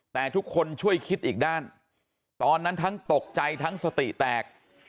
แต่ทุกคนช่วยคิดอีกด้านตอนนั้นทั้งตกใจทั้งสติแตก